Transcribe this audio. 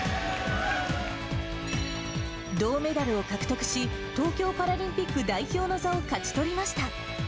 銅メダルを獲得し、東京パラリンピック代表の座を勝ち取りました。